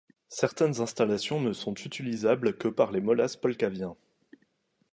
Certaines installations ne sont utilisables que par les Molass polvakiens.